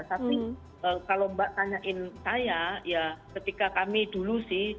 tapi kalau mbak tanyain saya ya ketika kami dulu sih